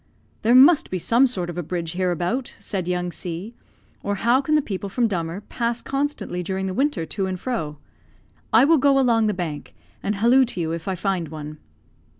"There must be some sort of a bridge here about," said young C , "or how can the people from Dummer pass constantly during the winter to and fro. I will go along the bank, and halloo to you if I find one."